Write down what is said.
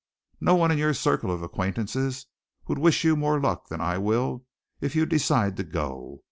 No one in your circle of acquaintances would wish you more luck than I will if you decide to go.